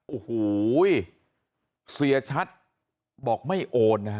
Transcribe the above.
โอ้โหเสียชัดบอกไม่โอนนะฮะ